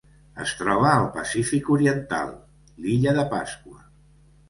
Es troba al Pacífic oriental: l'Illa de Pasqua.